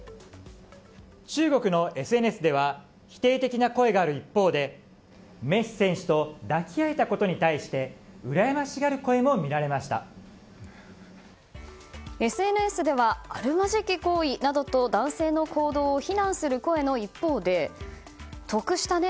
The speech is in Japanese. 中国のＳＮＳでは否定的な声がある一方でメッシ選手と抱き合えたことに対してＳＮＳではあるまじき行為などと男性の行動を非難する声の一方で得したね